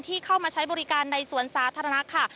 เข้ามาใช้บริการในสวนสาธารณะค่ะ